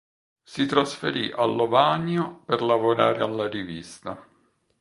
Si trasferì a Lovanio per lavorare alla rivista.